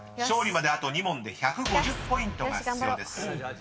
［勝利まであと２問で１５０ポイントが必要です］